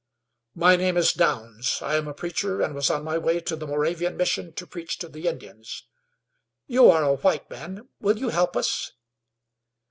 "My name is Downs. I am a preacher, and was on my way to the Moravian Mission to preach to the Indians. You are a white man; will you help us?"